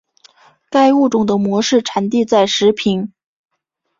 该物种的模式产地在石屏。